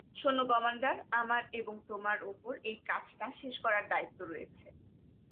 শোনো কমান্ডার, আমার এবং তোমার উপর এই কাজটা শেষ করার দায়িত্ব রয়েছে।